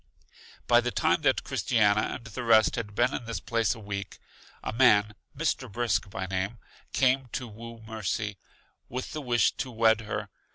By the time that Christiana and the rest had been in this place a week, a man, Mr. Brisk by name, came to woo Mercy, with the wish to wed her.